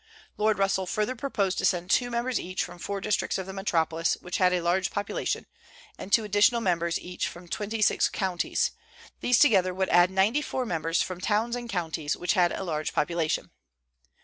Lord Russell further proposed to send two members each from four districts of the metropolis, which had a large population, and two additional members each from twenty six counties; these together would add ninety four members from towns and counties which had a large population.